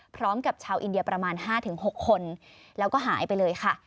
พร้อมกับชาวอินเดียประมาณ๕๖คนแล้วก็หายไปเลยค่ะ